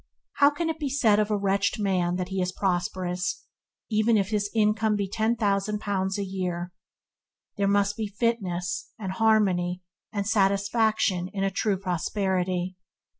How can it be said of a wretched man that he is "prosperous", even if his income be ten thousand pounds a year? There must be fitness, and harmony, and satisfaction in a true prosperity.